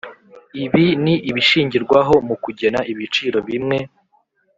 ibi ni ibishingirwaho mu kugena ibiciro bimwe